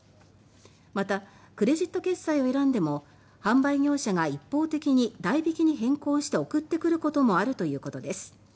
また、クレジット決済を選んでも販売業者が一方的に代引きに変更して送ってくることもあるということです。